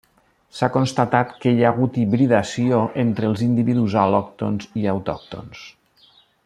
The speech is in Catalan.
S'ha constatat que hi ha hagut hibridació entre els individus al·lòctons i autòctons.